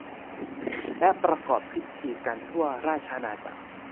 และประกอบพิธีกันทั่วราชอาณาจักร